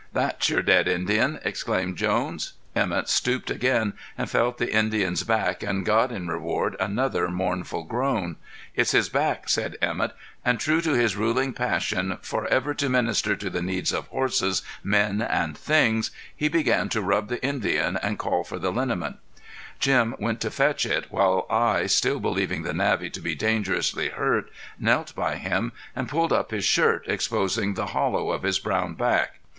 "That's your dead Indian," exclaimed Jones. Emett stooped again and felt the Indian's back and got in reward another mournful groan. "It's his back," said Emett, and true to his ruling passion, forever to minister to the needs of horses, men, and things, he began to rub the Indian and call for the liniment. [Illustration: TREED LION] [Illustration: TREED LION] Jim went to fetch it, while I, still believing the Navvy to be dangerously hurt, knelt by him and pulled up his shirt, exposing the hollow of his brown back.